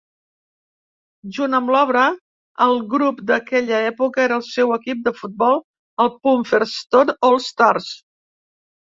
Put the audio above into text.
Junt amb l'obra, el grup d'aquella època era el seu equip de futbol, el Pumpherston All-Stars.